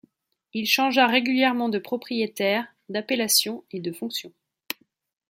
Il changea régulièrement de propriétaire, d’appellation et de fonction.